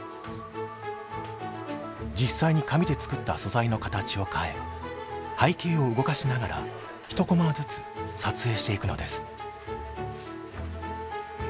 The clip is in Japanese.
実際に紙で作った素材の形を変え背景を動かしながら１コマずつ撮影していくのです。